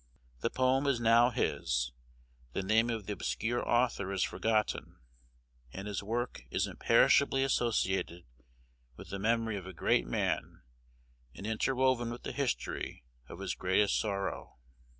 The poem is now his: the name of the obscure author is forgotten, and his work is imperishably associated with the memory of a great man, and interwoven with the history of his greatest Sorrow.